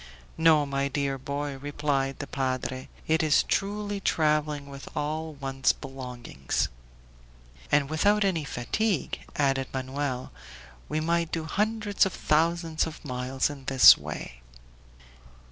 "No, my dear boy," replied the padre; "it is truly traveling with all one's belongings." "And without any fatigue," added Manoel; "we might do hundreds of thousands of miles in this way."